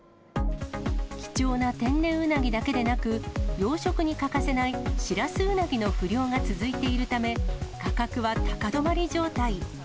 貴重な天然ウナギだけでなく、養殖に欠かせないシラスウナギの不漁が続いているため、価格は高止まり状態。